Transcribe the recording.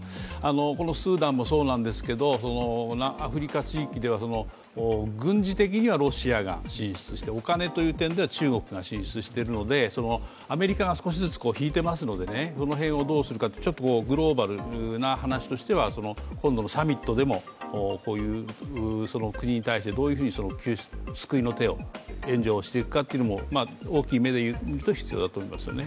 このスーダンもそうなんですけれどもアフリカ地域では、軍事的にはロシアが進出して、お金という点では中国が進出しているのでアメリカが少しずつ引いていますので、その辺をどうするかちょっとグローバルな話としては今度のサミットでもこういう国に対してどういうふうに救いの手、援助をしていくかというのも大きい目でいうと必要だと思いますね。